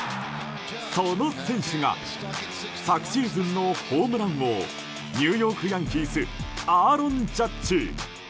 その選手が昨シーズンのホームラン王ニューヨーク・ヤンキースアーロン・ジャッジ。